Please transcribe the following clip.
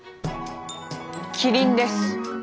キリンです。